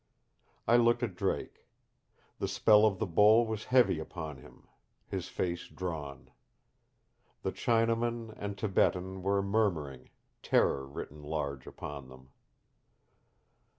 I looked at Drake the spell of the bowl was heavy upon him, his face drawn. The Chinaman and Tibetan were murmuring, terror written large upon them.